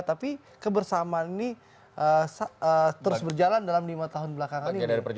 tapi kebersamaan ini terus berjalan dalam lima tahun belakangan ini